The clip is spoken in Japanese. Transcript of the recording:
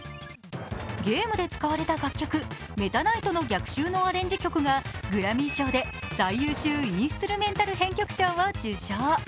ゲームで使われた楽曲「メタナイトの逆襲」のアレンジ曲がグラミー賞で最優秀インストゥルメンタル編曲賞を受賞。